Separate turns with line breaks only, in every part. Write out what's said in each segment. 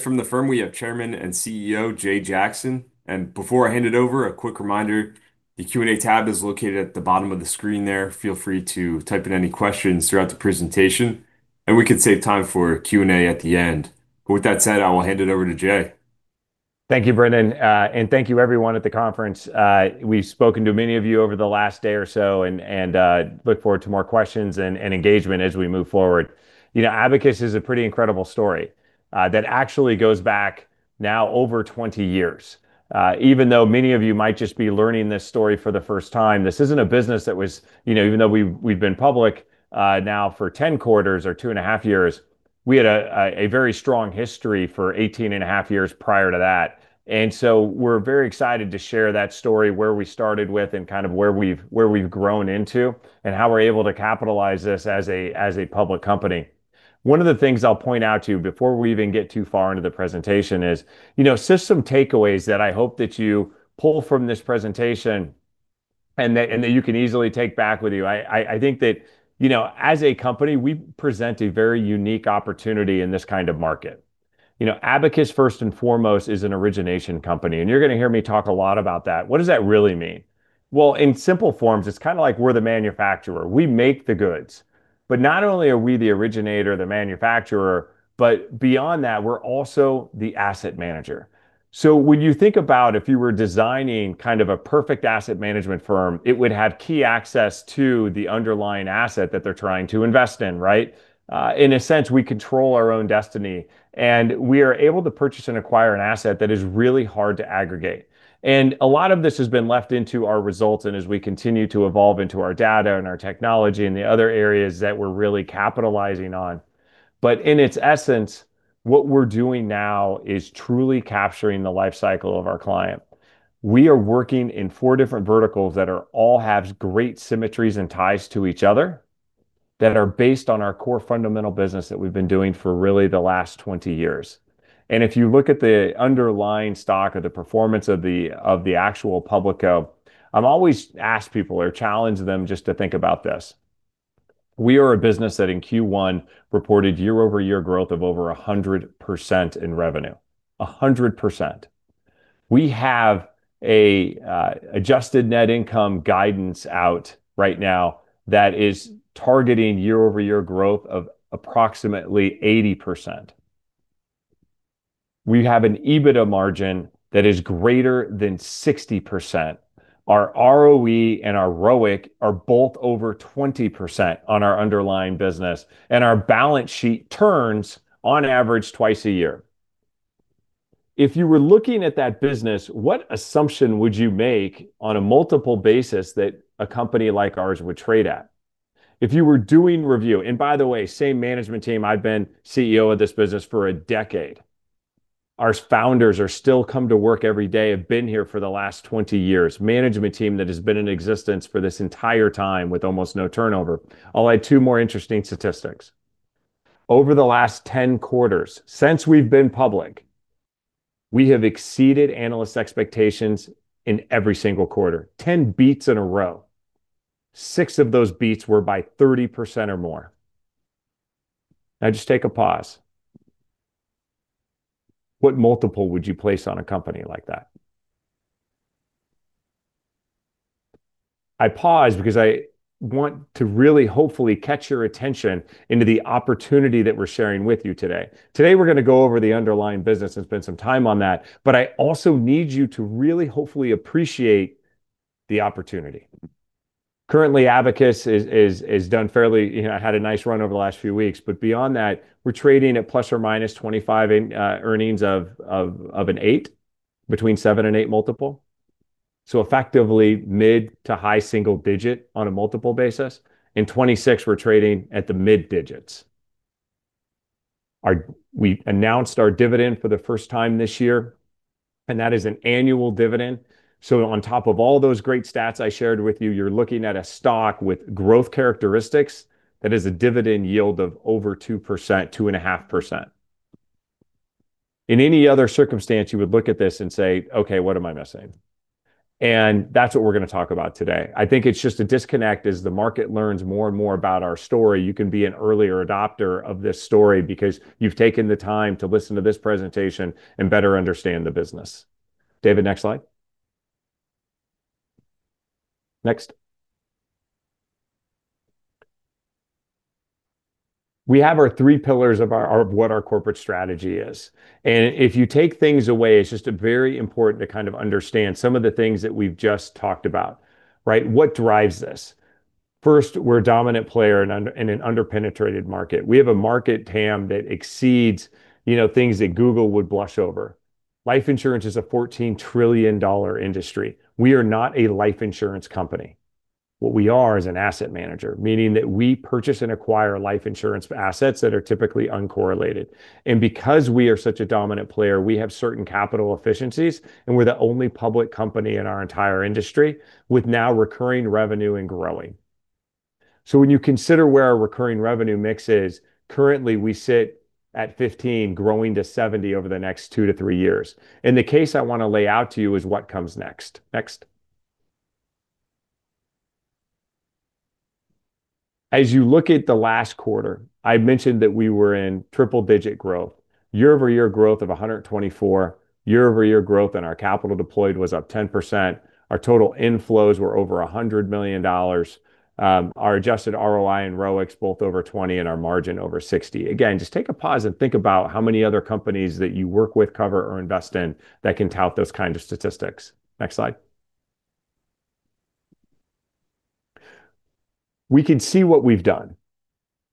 From the firm, we have Chairman and CEO Jay Jackson. And before I hand it over, a quick reminder: the Q&A tab is located at the bottom of the screen there. Feel free to type in any questions throughout the presentation, and we can save time for Q&A at the end. But with that said, I will hand it over to Jay.
Thank you, Brendan, and thank you, everyone, at the conference. We've spoken to many of you over the last day or so, and look forward to more questions and engagement as we move forward. Abacus is a pretty incredible story that actually goes back now over 20 years. Even though many of you might just be learning this story for the first time, this isn't a business that was, you know, even though we've been public now for 10 quarters or two and a half years, we had a very strong history for 18 and a half years prior to that. And so we're very excited to share that story, where we started with and kind of where we've grown into and how we're able to capitalize this as a public company. One of the things I'll point out to you before we even get too far into the presentation is, you know, system takeaways that I hope that you pull from this presentation and that you can easily take back with you. I think that, you know, as a company, we present a very unique opportunity in this kind of market. Abacus, first and foremost, is an origination company, and you're going to hear me talk a lot about that. What does that really mean? Well, in simple terms, it's kind of like we're the manufacturer. We make the goods. But not only are we the originator, the manufacturer, but beyond that, we're also the asset manager. So when you think about if you were designing kind of a perfect asset management firm, it would have key access to the underlying asset that they're trying to invest in, right? In a sense, we control our own destiny, and we are able to purchase and acquire an asset that is really hard to aggregate. And a lot of this has been leveraged into our results and as we continue to evolve into our data and our technology and the other areas that we're really capitalizing on. But in its essence, what we're doing now is truly capturing the life cycle of our client. We are working in four different verticals that all have great symmetries and ties to each other that are based on our core fundamental business that we've been doing for really the last 20 years. And if you look at the underlying stock or the performance of the actual public, I always ask people or challenge them just to think about this. We are a business that in Q1 reported year-over-year growth of over 100% in revenue, 100%. We have an adjusted net income guidance out right now that is targeting year-over-year growth of approximately 80%. We have an EBITDA margin that is greater than 60%. Our ROE and our ROIC are both over 20% on our underlying business, and our balance sheet turns on average twice a year. If you were looking at that business, what assumption would you make on a multiple basis that a company like ours would trade at? If you were doing review, and by the way, same management team, I've been CEO of this business for a decade. Our founders are still come to work every day, have been here for the last 20 years. Management team that has been in existence for this entire time with almost no turnover. I'll add two more interesting statistics. Over the last 10 quarters since we've been public, we have exceeded analyst expectations in every single quarter, 10 beats in a row. Six of those beats were by 30% or more. Now just take a pause. What multiple would you place on a company like that? I pause because I want to really hopefully catch your attention to the opportunity that we're sharing with you today. Today, we're going to go over the underlying business and spend some time on that, but I also need you to really hopefully appreciate the opportunity. Currently, Abacus has done fairly, you know, had a nice run over the last few weeks, but beyond that, we're trading at ±2.5 earnings of an eight between seven and eight multiple. So effectively mid- to high-single-digit on a multiple basis. In 2026, we're trading at the mid digits. We announced our dividend for the first time this year, and that is an annual dividend. So on top of all those great stats I shared with you, you're looking at a stock with growth characteristics that has a dividend yield of over 2%, 2.5%. In any other circumstance, you would look at this and say, "Okay, what am I missing?" And that's what we're going to talk about today. I think it's just a disconnect as the market learns more and more about our story. You can be an earlier adopter of this story because you've taken the time to listen to this presentation and better understand the business. David, next slide. Next. We have our three pillars of what our corporate strategy is. And if you take things away, it's just very important to kind of understand some of the things that we've just talked about, right? What drives this? First, we're a dominant player in an underpenetrated market. We have a market, TAM, that exceeds, you know, things that Google would blush over. Life insurance is a $14 trillion industry. We are not a life insurance company. What we are is an asset manager, meaning that we purchase and acquire life insurance assets that are typically uncorrelated. And because we are such a dominant player, we have certain capital efficiencies, and we're the only public company in our entire industry with now recurring revenue and growing. So when you consider where our recurring revenue mix is, currently, we sit at 15%-70% over the next two to three years, and the case I want to lay out to you is what comes next. Next. As you look at the last quarter, I mentioned that we were in triple-digit growth, year-over-year growth of 124%, year-over-year growth, and our capital deployed was up 10%. Our total inflows were over $100 million. Our adjusted ROI and ROICs both over 20% and our margin over 60%. Again, just take a pause and think about how many other companies that you work with, cover, or invest in that can tout those kinds of statistics. Next slide. We can see what we've done.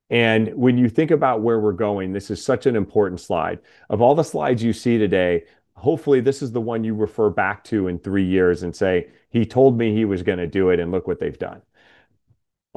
And when you think about where we're going, this is such an important slide. Of all the slides you see today, hopefully, this is the one you refer back to in three years and say, "He told me he was going to do it, and look what they've done."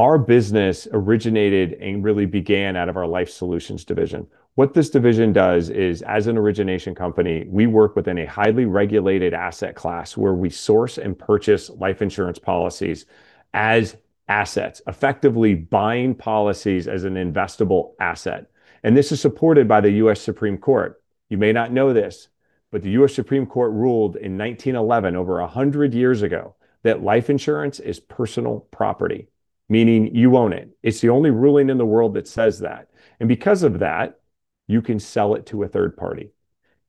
Our business originated and really began out of our Life Solutions division. What this division does is, as an origination company, we work within a highly regulated asset class where we source and purchase life insurance policies as assets, effectively buying policies as an investable asset. And this is supported by the U.S. Supreme Court. You may not know this, but the U.S. Supreme Court ruled in 1911, over 100 years ago, that life insurance is personal property, meaning you own it. It's the only ruling in the world that says that. And because of that, you can sell it to a third party.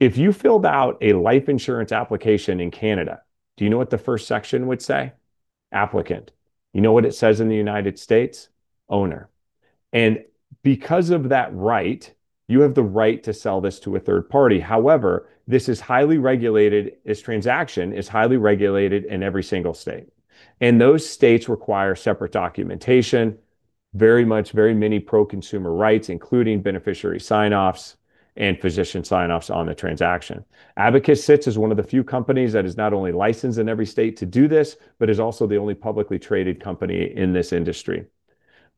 If you filled out a life insurance application in Canada, do you know what the first section would say? Applicant. You know what it says in the United States? Owner. And because of that right, you have the right to sell this to a third party. However, this is highly regulated. This transaction is highly regulated in every single state, and those states require separate documentation, very much, very many pro-consumer rights, including beneficiary sign-offs and physician sign-offs on the transaction. Abacus sits as one of the few companies that is not only licensed in every state to do this, but is also the only publicly traded company in this industry.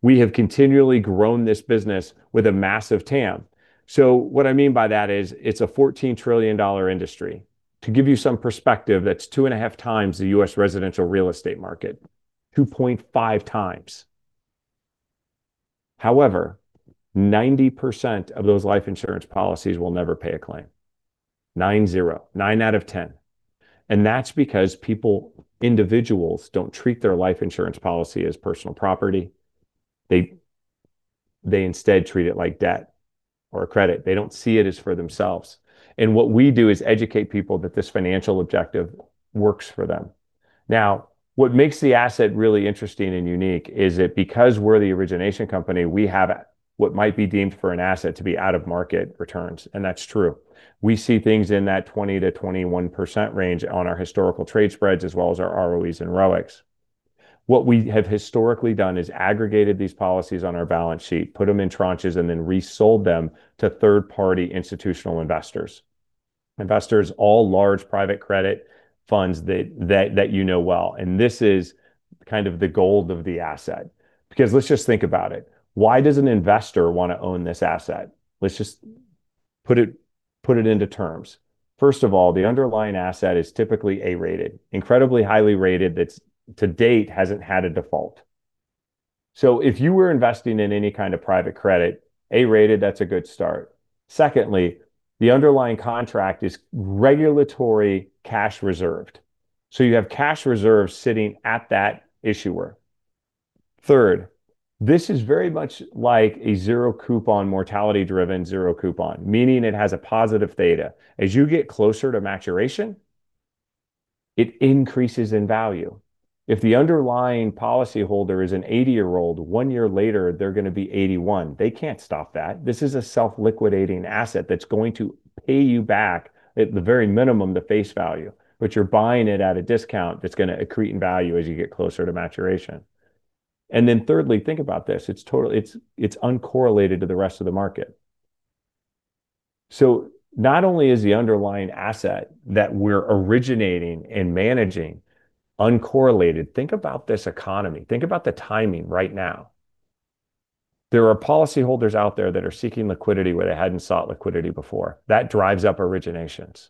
We have continually grown this business with a massive TAM, so what I mean by that is it's a $14 trillion industry. To give you some perspective, that's two and a half times the U.S. residential real estate market, 2.5 times. However, 90% of those life insurance policies will never pay a claim, nine zero, nine out of ten, and that's because people, individuals, don't treat their life insurance policy as personal property. They instead treat it like debt or a credit. They don't see it as for themselves. And what we do is educate people that this financial objective works for them. Now, what makes the asset really interesting and unique is that because we're the origination company, we have what might be deemed for an asset to be out-of-market returns. And that's true. We see things in that 20%-21% range on our historical trade spreads as well as our ROEs and ROICs. What we have historically done is aggregated these policies on our balance sheet, put them in tranches, and then resold them to third-party institutional investors, all large private credit funds that you know well. And this is kind of the gold of the asset. Because let's just think about it. Why does an investor want to own this asset? Let's just put it into terms. First of all, the underlying asset is typically A-rated, incredibly highly rated, that to date hasn't had a default. So if you were investing in any kind of private credit, A-rated, that's a good start. Secondly, the underlying contract is regulatory cash reserved. So you have cash reserves sitting at that issuer. Third, this is very much like a zero-coupon mortality-driven zero-coupon, meaning it has a positive theta. As you get closer to maturity, it increases in value. If the underlying policyholder is an 80-year-old, one year later, they're going to be 81. They can't stop that. This is a self-liquidating asset that's going to pay you back, at the very minimum, the face value, but you're buying it at a discount that's going to accrete in value as you get closer to maturity, and then thirdly, think about this. It's uncorrelated to the rest of the market. Not only is the underlying asset that we're originating and managing uncorrelated. Think about this economy. Think about the timing right now. There are policyholders out there that are seeking liquidity where they hadn't sought liquidity before. That drives up originations.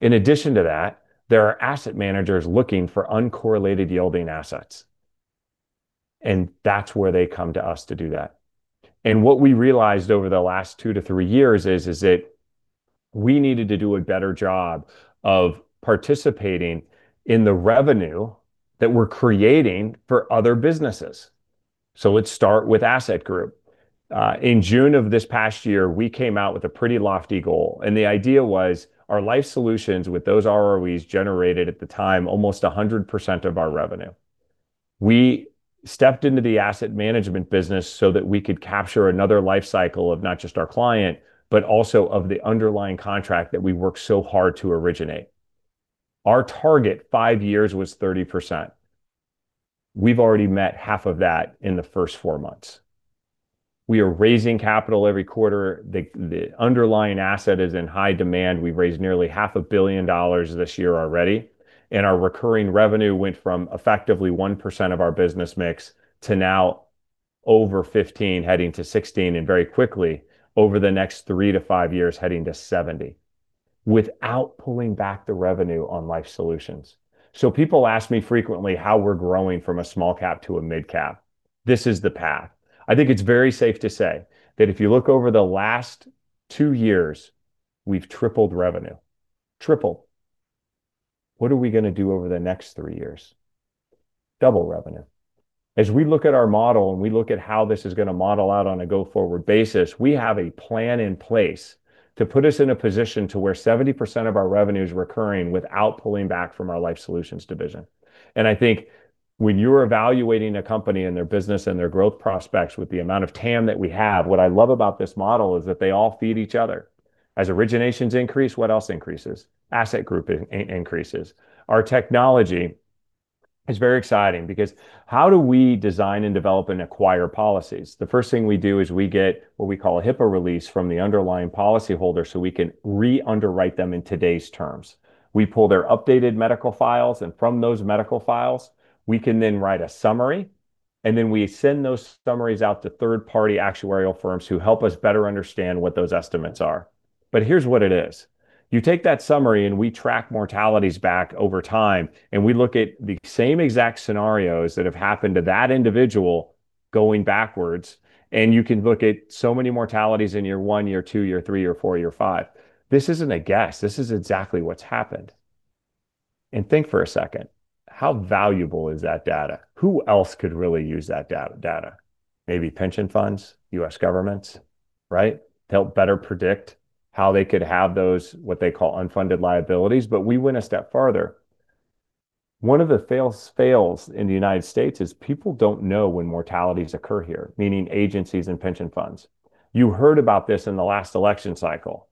In addition to that, there are asset managers looking for uncorrelated yielding assets. And that's where they come to us to do that. And what we realized over the last two to three years is that we needed to do a better job of participating in the revenue that we're creating for other businesses. So let's start with Asset Group. In June of this past year, we came out with a pretty lofty goal. And the idea was our Life Solutions with those ROEs generated at the time almost 100% of our revenue. We stepped into the asset management business so that we could capture another life cycle of not just our client, but also of the underlying contract that we worked so hard to originate. Our target five years was 30%. We've already met half of that in the first four months. We are raising capital every quarter. The underlying asset is in high demand. We've raised nearly $500 million this year already, and our recurring revenue went from effectively 1% of our business mix to now over 15%, heading to 16%, and very quickly, over the next three to five years, heading to 70%, without pulling back the revenue on Life Solutions. So, people ask me frequently how we're growing from a small cap to a mid cap. This is the path. I think it's very safe to say that if you look over the last two years, we've tripled revenue, tripled. What are we going to do over the next three years? Double revenue. As we look at our model and we look at how this is going to model out on a go-forward basis, we have a plan in place to put us in a position to where 70% of our revenue is recurring without pulling back from our Life Solutions division. And I think when you're evaluating a company and their business and their growth prospects with the amount of TAM that we have, what I love about this model is that they all feed each other. As originations increase, what else increases? Asset Group increases. Our technology is very exciting because how do we design and develop and acquire policies? The first thing we do is we get what we call a HIPAA release from the underlying policyholder so we can re-underwrite them in today's terms. We pull their updated medical files, and from those medical files, we can then write a summary, and then we send those summaries out to third-party actuarial firms who help us better understand what those estimates are. But here's what it is. You take that summary, and we track mortalities back over time, and we look at the same exact scenarios that have happened to that individual going backwards. And you can look at so many mortalities in year one, year two, year three, year four, year five. This isn't a guess. This is exactly what's happened. And think for a second, how valuable is that data? Who else could really use that data? Maybe pension funds, U.S. governments, right, to help better predict how they could have those what they call unfunded liabilities. But we went a step farther. One of the fails in the United States is people don't know when mortalities occur here, meaning agencies and pension funds. You heard about this in the last election cycle.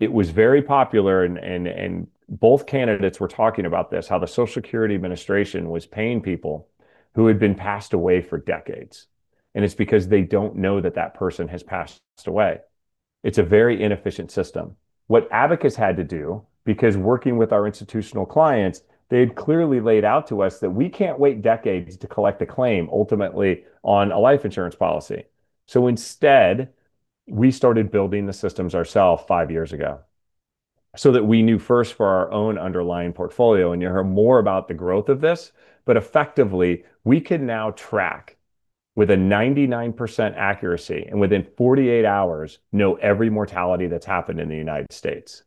It was very popular, and both candidates were talking about this, how the Social Security Administration was paying people who had been passed away for decades. And it's because they don't know that that person has passed away. It's a very inefficient system. What Abacus had to do, because working with our institutional clients, they had clearly laid out to us that we can't wait decades to collect a claim ultimately on a life insurance policy. So instead, we started building the systems ourselves five years ago so that we knew first for our own underlying portfolio. And you'll hear more about the growth of this. But effectively, we can now track with a 99% accuracy and within 48 hours know every mortality that's happened in the United States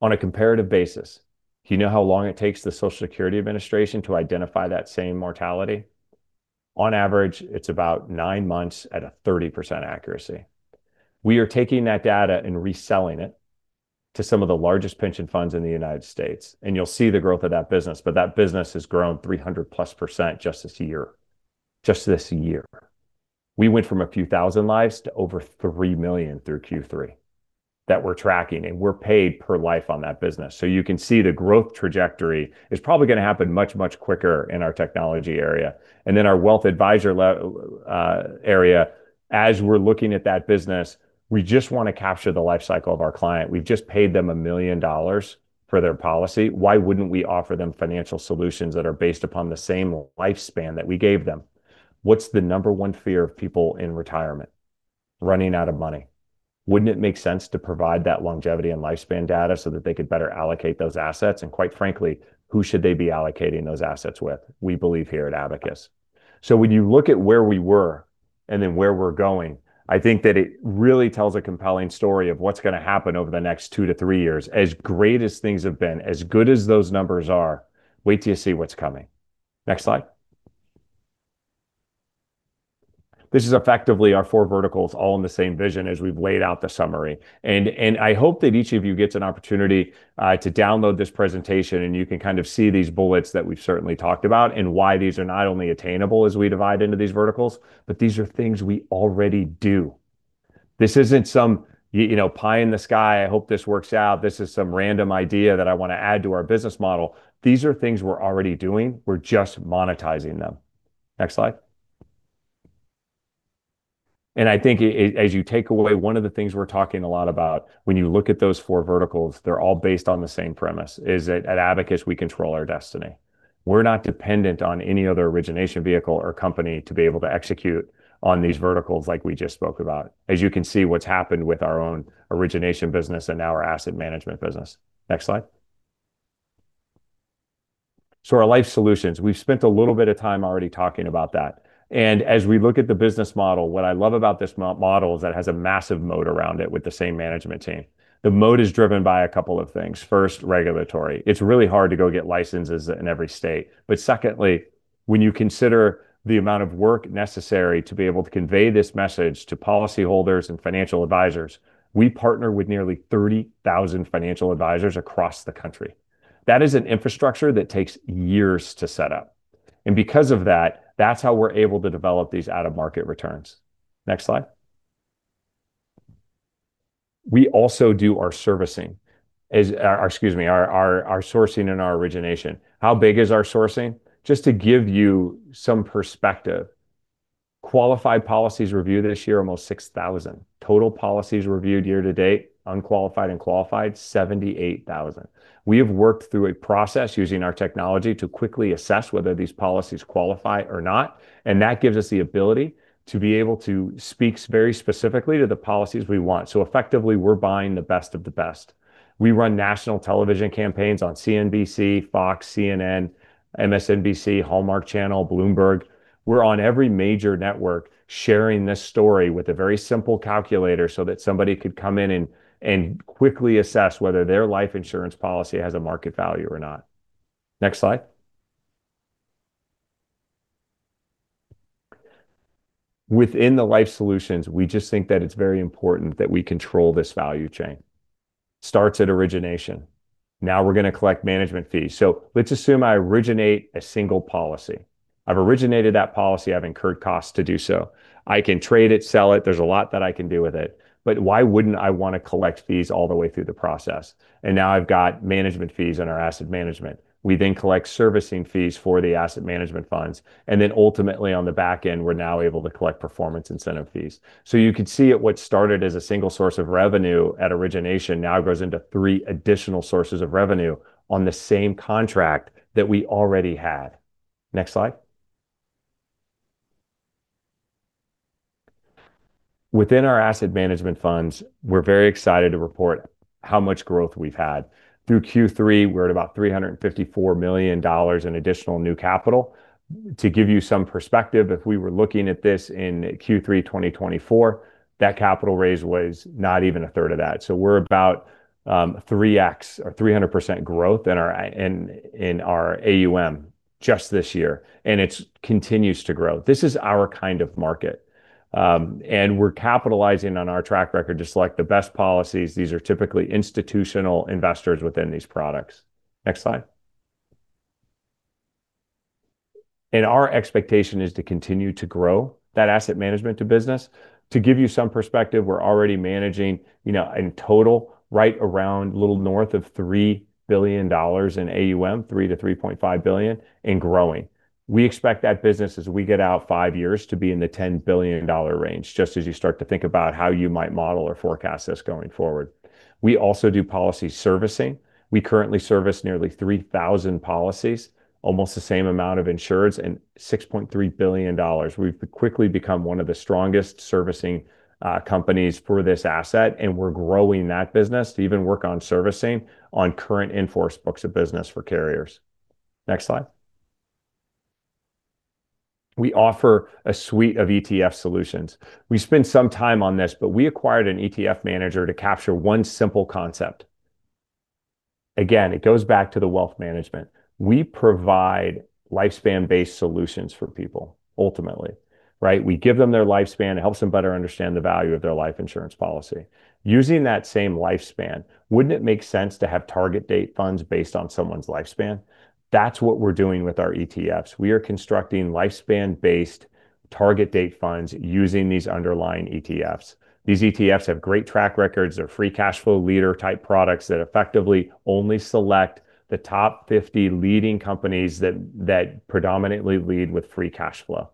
on a comparative basis. Do you know how long it takes the Social Security Administration to identify that same mortality? On average, it's about nine months at a 30% accuracy. We are taking that data and reselling it to some of the largest pension funds in the United States. And you'll see the growth of that business. But that business has grown 300+% just this year, just this year. We went from a few thousand lives to over 3 million through Q3 that we're tracking. And we're paid per life on that business. So you can see the growth trajectory is probably going to happen much, much quicker in our technology area. And then our Wealth Advisor area, as we're looking at that business, we just want to capture the life cycle of our client. We've just paid them $1 million for their policy. Why wouldn't we offer them financial solutions that are based upon the same lifespan that we gave them? What's the number one fear of people in retirement? Running out of money. Wouldn't it make sense to provide that longevity and lifespan data so that they could better allocate those assets? And quite frankly, who should they be allocating those assets with? We believe here at Abacus. So when you look at where we were and then where we're going, I think that it really tells a compelling story of what's going to happen over the next two to three years. As great as things have been, as good as those numbers are, wait till you see what's coming. Next slide. This is effectively our four verticals all in the same vision as we've laid out the summary, and I hope that each of you gets an opportunity to download this presentation, and you can kind of see these bullets that we've certainly talked about and why these are not only attainable as we divide into these verticals, but these are things we already do. This isn't some pie in the sky. I hope this works out. This is some random idea that I want to add to our business model. These are things we're already doing. We're just monetizing them. Next slide. I think as you take away one of the things we're talking a lot about, when you look at those four verticals, they're all based on the same premise, is that at Abacus, we control our destiny. We're not dependent on any other origination vehicle or company to be able to execute on these verticals like we just spoke about, as you can see what's happened with our own origination business and now our asset management business. Next slide. Our Life Solutions, we've spent a little bit of time already talking about that. As we look at the business model, what I love about this model is that it has a massive moat around it with the same management team. The moat is driven by a couple of things. First, regulatory. It's really hard to go get licenses in every state. But secondly, when you consider the amount of work necessary to be able to convey this message to policyholders and financial advisors, we partner with nearly 30,000 financial advisors across the country. That is an infrastructure that takes years to set up. And because of that, that's how we're able to develop these out-of-market returns. Next slide. We also do our servicing, excuse me, our sourcing and our origination. How big is our sourcing? Just to give you some perspective, qualified policies reviewed this year are almost 6,000. Total policies reviewed year to date, unqualified and qualified, 78,000. We have worked through a process using our technology to quickly assess whether these policies qualify or not. And that gives us the ability to be able to speak very specifically to the policies we want. So effectively, we're buying the best of the best. We run national television campaigns on CNBC, Fox, CNN, MSNBC, Hallmark Channel, Bloomberg. We're on every major network sharing this story with a very simple calculator so that somebody could come in and quickly assess whether their life insurance policy has a market value or not. Next slide. Within the Life Solutions, we just think that it's very important that we control this value chain. Starts at origination. Now we're going to collect management fees. So let's assume I originate a single policy. I've originated that policy. I've incurred costs to do so. I can trade it, sell it. There's a lot that I can do with it. But why wouldn't I want to collect fees all the way through the process? And now I've got management fees on our Asset Management. We then collect servicing fees for the Asset Management funds. And then ultimately, on the back end, we're now able to collect performance incentive fees. So you can see at what started as a single source of revenue at origination now goes into three additional sources of revenue on the same contract that we already had. Next slide. Within our Asset Management funds, we're very excited to report how much growth we've had. Through Q3, we're at about $354 million in additional new capital. To give you some perspective, if we were looking at this in Q3 2024, that capital raise was not even a third of that. So we're about 3x or 300% growth in our AUM just this year. And it continues to grow. This is our kind of market. And we're capitalizing on our track record to select the best policies. These are typically institutional investors within these products. Next slide. Our expectation is to continue to grow that asset management business. To give you some perspective, we're already managing in total right around a little north of $3 billion in AUM, $3-$3.5 billion, and growing. We expect that business, as we get out five years, to be in the $10 billion range, just as you start to think about how you might model or forecast this going forward. We also do policy servicing. We currently service nearly 3,000 policies, almost the same amount of insureds, and $6.3 billion. We've quickly become one of the strongest servicing companies for this asset. We're growing that business to even work on servicing on current in-force books of business for carriers. Next slide. We offer a suite of ETF solutions. We spent some time on this, but we acquired an ETF manager to capture one simple concept. Again, it goes back to the wealth management. We provide lifespan-based solutions for people, ultimately, right? We give them their lifespan. It helps them better understand the value of their life insurance policy. Using that same lifespan, wouldn't it make sense to have target date funds based on someone's lifespan? That's what we're doing with our ETFs. We are constructing lifespan-based target date funds using these underlying ETFs. These ETFs have great track records. They're free cash flow leader-type products that effectively only select the top 50 leading companies that predominantly lead with free cash flow.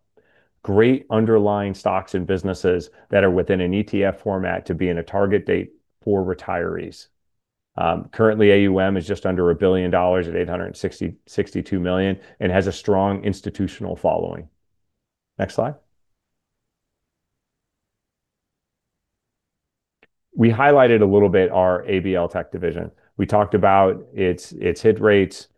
Great underlying stocks and businesses that are within an ETF format to be in a target date for retirees. Currently, AUM is just under a billion dollars at $862 million and has a strong institutional following. Next slide. We highlighted a little bit our ABL Tech division. We talked about its hit rates.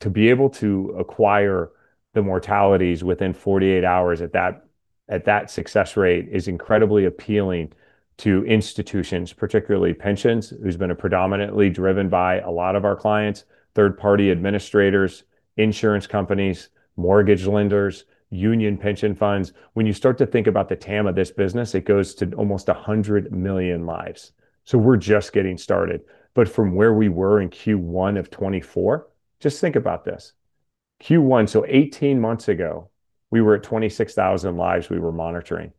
To be able to acquire the mortalities within 48 hours at that success rate is incredibly appealing to institutions, particularly pensions, who've been predominantly driven by a lot of our clients, third-party administrators, insurance companies, mortgage lenders, union pension funds. When you start to think about the TAM of this business, it goes to almost 100 million lives. So we're just getting started. But from where we were in Q1 of 2024, just think about this. Q1, so 18 months ago, we were at 26,000 lives we were monitoring.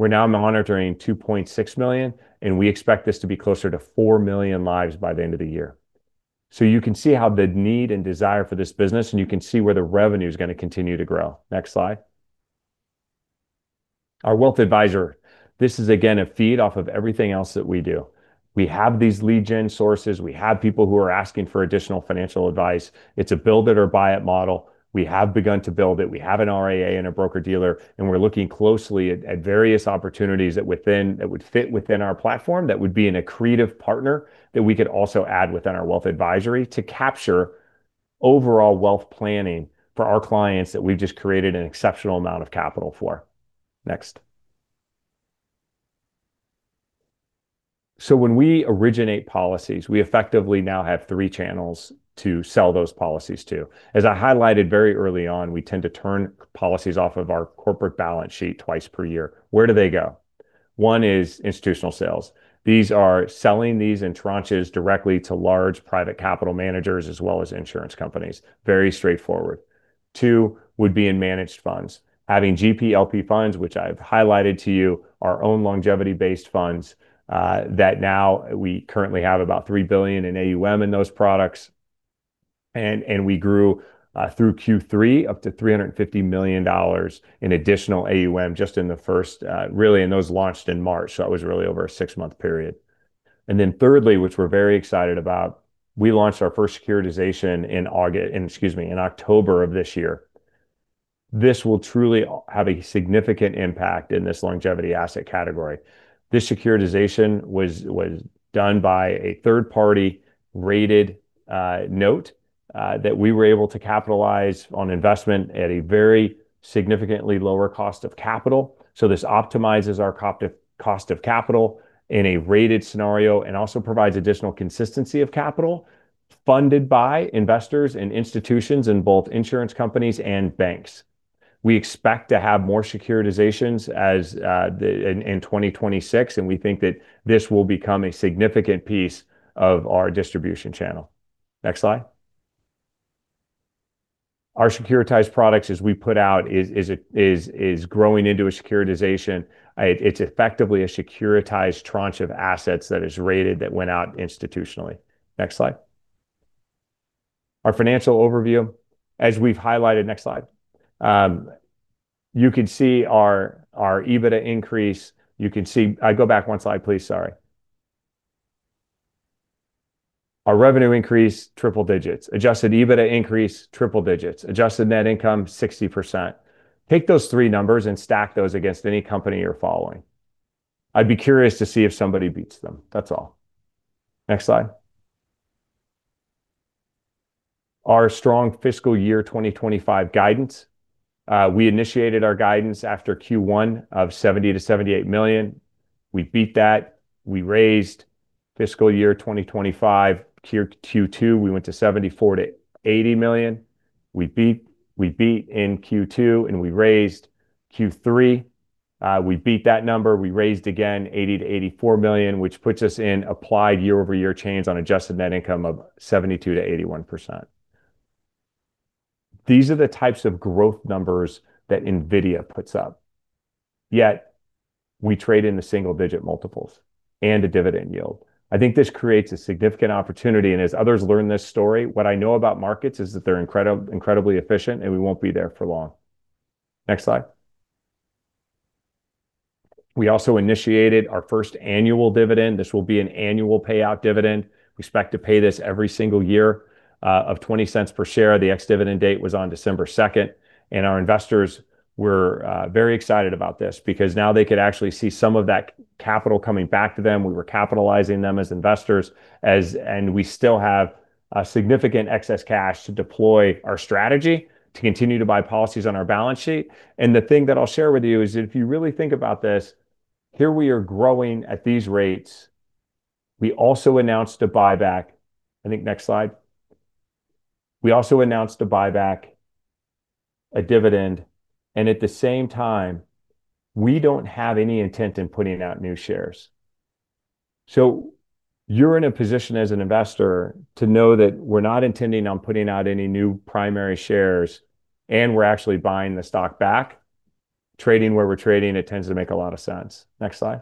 We're now monitoring 2.6 million. And we expect this to be closer to 4 million lives by the end of the year. So you can see how the need and desire for this business, and you can see where the revenue is going to continue to grow. Next slide. Our Wealth Advisor. This is, again, a feed off of everything else that we do. We have these lead gen sources. We have people who are asking for additional financial advice. It's a build it or buy it model. We have begun to build it. We have an RAA and a broker-dealer. And we're looking closely at various opportunities that would fit within our platform that would be an accretive partner that we could also add within our wealth advisory to capture overall wealth planning for our clients that we've just created an exceptional amount of capital for. Next. So when we originate policies, we effectively now have three channels to sell those policies to. As I highlighted very early on, we tend to turn policies off of our corporate balance sheet twice per year. Where do they go? One is institutional sales. These are selling these in tranches directly to large private capital managers as well as insurance companies. Very straightforward. Two would be in managed funds. Having GPLP funds, which I've highlighted to you, our own longevity-based funds that now we currently have about 3 billion in AUM in those products, and we grew through Q3 up to $350 million in additional AUM just in the first, really, and those launched in March, so that was really over a six-month period, and then thirdly, which we're very excited about, we launched our first securitization in August, excuse me, in October of this year. This will truly have a significant impact in this longevity asset category. This securitization was done by a third-party rated note that we were able to capitalize on investment at a very significantly lower cost of capital. So this optimizes our cost of capital in a rated scenario and also provides additional consistency of capital funded by investors and institutions in both insurance companies and banks. We expect to have more securitizations in 2026. And we think that this will become a significant piece of our distribution channel. Next slide. Our securitized products, as we put out, is growing into a securitization. It's effectively a securitized tranche of assets that is rated that went out institutionally. Next slide. Our financial overview, as we've highlighted, next slide. You can see our EBITDA increase. You can see, I go back one slide, please. Sorry. Our revenue increase, triple digits. Adjusted EBITDA increase, triple digits. Adjusted net income, 60%. Pick those three numbers and stack those against any company you're following. I'd be curious to see if somebody beats them. That's all. Next slide. Our strong fiscal year 2025 guidance. We initiated our guidance after Q1 of $70 million-$78 million. We beat that. We raised fiscal year 2025. Q2, we went to $74 million-$80 million. We beat in Q2, and we raised Q3. We beat that number. We raised again $80 million-$84 million, which puts us at a year-over-year change on adjusted net income of 72%-81%. These are the types of growth numbers that NVIDIA puts up. Yet we trade in the single-digit multiples and a dividend yield. I think this creates a significant opportunity, and as others learn this story, what I know about markets is that they're incredibly efficient, and we won't be there for long. Next slide. We also initiated our first annual dividend. This will be an annual payout dividend. We expect to pay this every single year of $0.20 per share. The ex-dividend date was on December 2nd. Our investors were very excited about this because now they could actually see some of that capital coming back to them. We were capitalizing them as investors. We still have significant excess cash to deploy our strategy to continue to buy policies on our balance sheet. The thing that I'll share with you is that if you really think about this, here we are growing at these rates. We also announced a buyback. I think next slide. We also announced a buyback, a dividend. At the same time, we don't have any intent in putting out new shares. You're in a position as an investor to know that we're not intending on putting out any new primary shares, and we're actually buying the stock back, trading where we're trading. It tends to make a lot of sense. Next slide.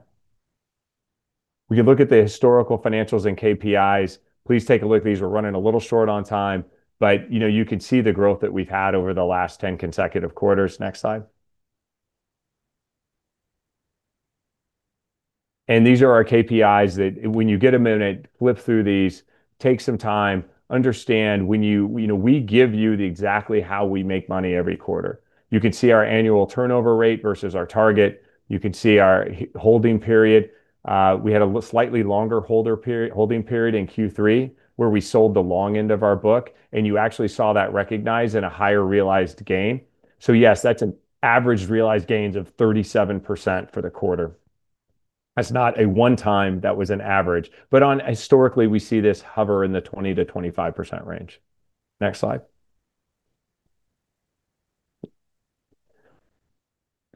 We can look at the historical financials and KPIs. Please take a look. We were running a little short on time, but you can see the growth that we've had over the last 10 consecutive quarters. Next slide. These are our KPIs that when you get a minute, flip through these, take some time, understand when we give you exactly how we make money every quarter. You can see our annual turnover rate versus our target. You can see our holding period. We had a slightly longer holding period in Q3 where we sold the long end of our book. You actually saw that recognized in a higher realized gain. Yes, that's an average realized gains of 37% for the quarter. That's not a one-time; that was an average. Historically, we see this hover in the 20%-25% range. Next slide.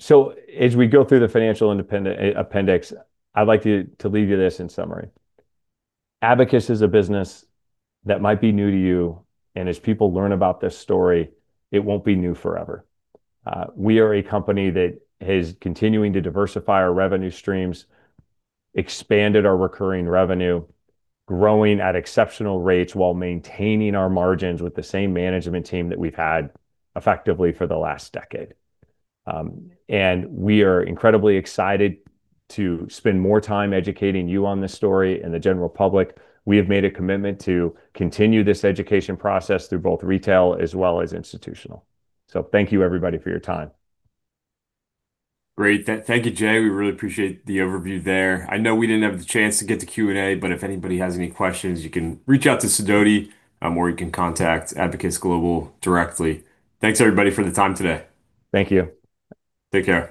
So as we go through the financial appendix, I'd like to leave you this in summary. Abacus is a business that might be new to you. And as people learn about this story, it won't be new forever. We are a company that is continuing to diversify our revenue streams, expanded our recurring revenue, growing at exceptional rates while maintaining our margins with the same management team that we've had effectively for the last decade. And we are incredibly excited to spend more time educating you on this story and the general public. We have made a commitment to continue this education process through both retail as well as institutional. So thank you, everybody, for your time.
Great. Thank you, Jay. We really appreciate the overview there. I know we didn't have the chance to get to Q&A, but if anybody has any questions, you can reach out to Sidoti, or you can contact Abacus Global directly. Thanks, everybody, for the time today.
Thank you.
Take care.